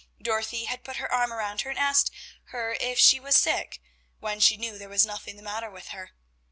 Dorothy had put her arm around her and asked her if she was sick, when she knew there was nothing the matter with her.